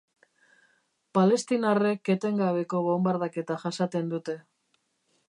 Palestinarrek etengabeko bonbardaketa jasaten dute.